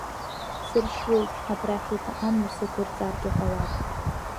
Сыршьуеит, абрахь еиҭа амҩа сықәырҵаргьы ҟалап.